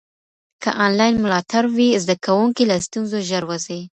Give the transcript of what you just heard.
که انلاین ملاتړ وي، زده کوونکي له ستونزو ژر وځي.